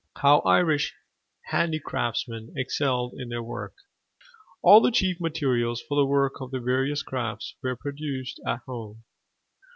HOW IRISH HANDICRAFTSMEN EXCELLED IN THEIR WORK. All the chief materials for the work of the various crafts were produced at home.